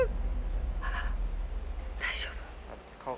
ああ大丈夫？